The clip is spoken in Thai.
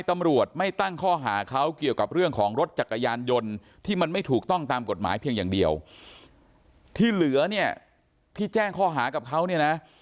ที่เหลือเนี่ยที่แจ้งข้อหากับเขาเนี่ยนะ